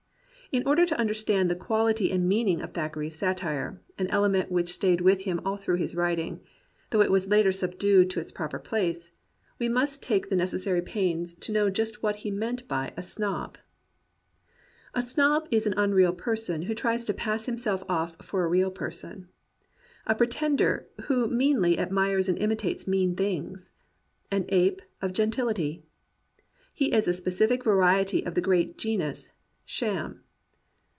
In order to understand the qual ity and meaning of Thackeray's satire — an element which stayed with him all through his wTiting, though it was later subdued to its prop>er place — we must take the necessary pains to know just what he meant by a "snob." A snob is an unreal person who tries to pass him self off for a real person; a pretender who meanly admires and imitates mean things; an ape of gen tility. He is a specific variety of the great genus *'Sham.'